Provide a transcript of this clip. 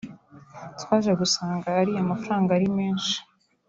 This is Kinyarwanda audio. “Twaje gusanga ariya mafaranga ari menshi